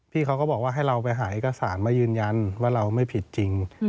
พี่เขาก็บอกว่าให้เราไปหาเอกสารมายืนยันว่าเราไม่ผิดจริง